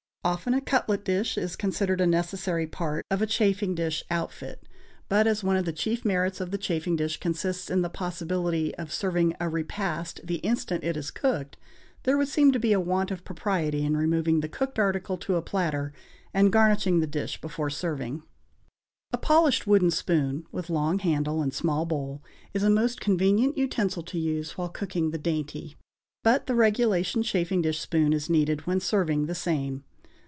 Often a cutlet dish is considered a necessary part of a chafing dish outfit; but as one of the chief merits of the chafing dish consists in the possibility of serving a repast the instant it is cooked, there would seem to be a want of propriety in removing the cooked article to a platter and garnishing the dish before serving. A polished wooden spoon, with long handle and small bowl, is a most convenient utensil to use while cooking the dainty; but the regulation chafing dish spoon is needed when serving the same.